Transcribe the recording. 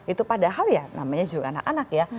itu padahal ya namanya juga anak anak ya